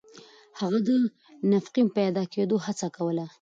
هغه د نفقې پیدا کولو هڅه کوله.